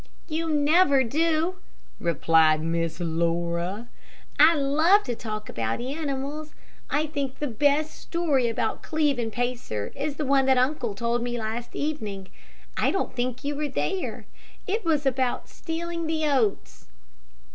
"You never do," replied Miss Laura. "I love to talk about animals. I think the best story about Cleve and Pacer is the one that uncle told me last evening. I don't think you were there. It was about stealing the oats."